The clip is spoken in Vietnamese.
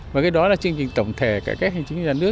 và cái đó là chương trình tổng thể cải cách hành chính của nhà nước